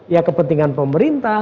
ya kepentingan pemerintah